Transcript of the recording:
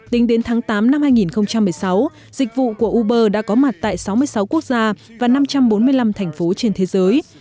tính đến tháng tám năm hai nghìn một mươi sáu dịch vụ của uber đã có mặt tại sáu mươi sáu quốc gia và năm trăm bốn mươi nơi